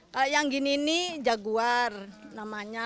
kalau yang gini ini jaguar namanya